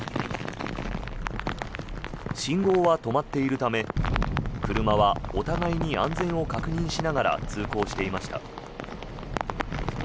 信号は止まっているため車はお互いに安全を確認しながら通行していました。